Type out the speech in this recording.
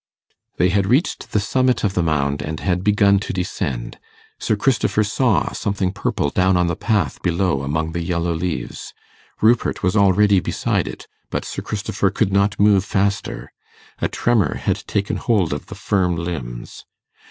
They had reached the summit of the mound, and had begun to descend. Sir Christopher saw something purple down on the path below among the yellow leaves. Rupert was already beside it, but Sir Christopher could not move faster. A tremor had taken hold of the firm limbs.